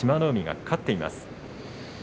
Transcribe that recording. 海が勝っています。